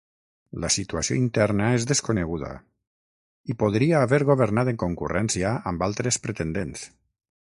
La situació interna és desconeguda i podria haver governat en concurrència amb altres pretendents.